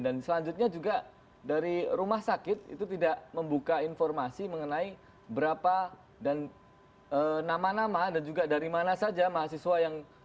dan selanjutnya juga dari rumah sakit itu tidak membuka informasi mengenai berapa dan nama nama dan juga dari mana saja mahasiswa yang